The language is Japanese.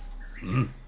うん。